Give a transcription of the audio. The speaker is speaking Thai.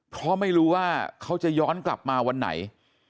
เพราะไม่รู้ว่าเขาจะย้อนกลับมาวันไหน